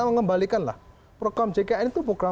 mengembalikan lah program jkn itu